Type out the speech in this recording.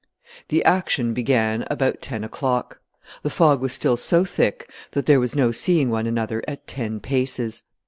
The action began about ten o'clock. The fog was still so thick that there was no seeing one another at ten paces.